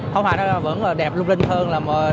phóng hoa nó vẫn đẹp lung linh hơn